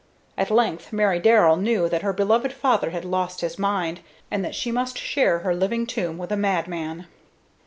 At length Mary Darrell knew that her beloved father had lost his mind, and that she must share her living tomb with a madman.